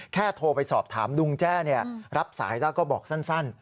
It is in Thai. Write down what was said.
โทรไปสอบถามลุงแจ้รับสายแล้วก็บอกสั้น